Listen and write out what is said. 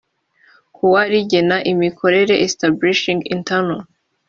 kuwa rigena imikorere establishing internal